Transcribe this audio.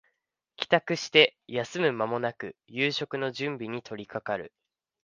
帰宅して休む間もなく夕食の準備に取りかかる